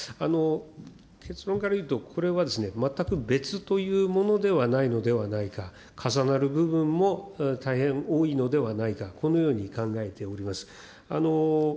結論から言うと、これは全く別というものではないのではないか、重なる部分も大変多いのではないか、このように考えております。